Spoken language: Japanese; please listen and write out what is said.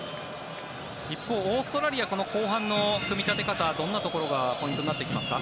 一方、オーストラリア後半の組み立て方はどんなところがポイントになってきますか。